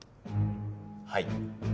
はい。